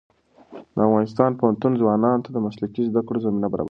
د افغانستان پوهنتونونه ځوانانو ته د مسلکي زده کړو زمینه برابروي.